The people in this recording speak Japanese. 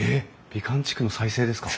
美観地区の再生ですか？